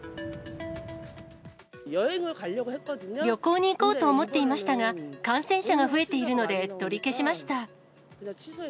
旅行に行こうと思っていましたが、感染者が増えているので、取り消しました。